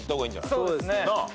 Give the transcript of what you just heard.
そうですね。